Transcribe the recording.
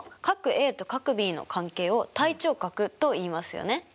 ａと∠ｂの関係を対頂角といいますよね。